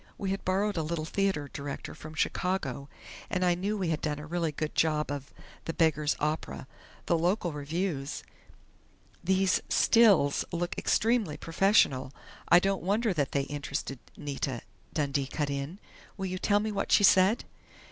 We had borrowed a Little Theater director from Chicago and I knew we had done a really good job of 'The Beggar's Opera.' The local reviews " "These 'stills' look extremely professional. I don't wonder that they interested Nita," Dundee cut in. "Will you tell me what she said?"